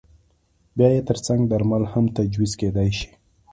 بیا یې ترڅنګ درمل هم تجویز کېدای شي.